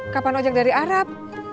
kapan ojak dari arab